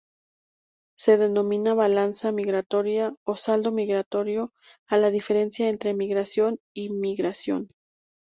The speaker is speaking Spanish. Se denomina balanza migratoria o saldo migratorio a la diferencia entre emigración e inmigración.